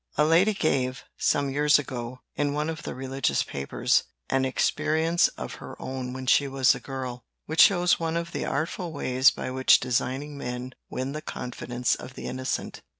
A lady gave, some years ago, in one of the religious papers, an experience of her own when she was a girl, which shows one of the artful ways by which designing men win the confidence of the innocent.